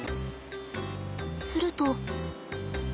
すると。